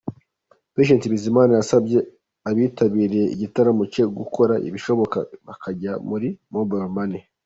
Patient Bizimana yasabye abitabiriye igitaramo cye gukora ibishoboka bakajya muri Mobile Money.